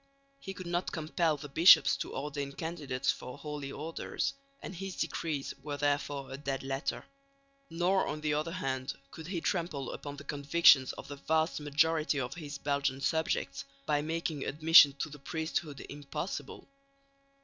He could not compel the bishops to ordain candidates for Holy Orders, and his decrees were therefore a dead letter; nor on the other hand could he trample upon the convictions of the vast majority of his Belgian subjects by making admission to the priesthood impossible.